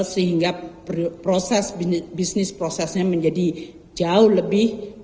sehingga proses bisnis prosesnya menjadi jauh lebih